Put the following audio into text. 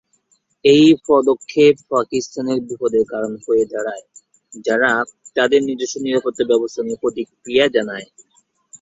এই পদক্ষেপ পাকিস্তানের বিপদের কারণ হয়ে দাঁড়ায়, যারা তাদের নিজস্ব নিরাপত্তা ব্যবস্থা নিয়ে প্রতিক্রিয়া জানায়।